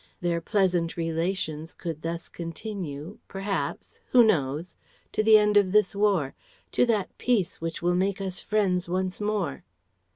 Their pleasant relations could thus continue perhaps who knows? to the end of this War, "to that peace which will make us friends once more?"